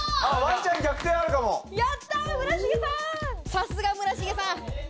さすが村重さん。